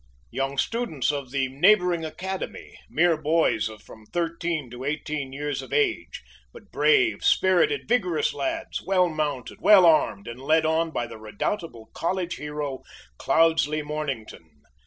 Young students of the neighboring academy mere boys of from thirteen to eighteen years of age, but brave, spirited, vigorous lads, well mounted, well armed, and led on by the redoubtable college hero, Cloudesley Mornington.